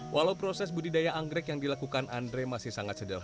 walau proses budidaya anggrek yang dilakukan andre masih sangat sederhana